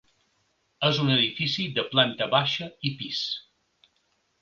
És un edifici de planta baixa i pis.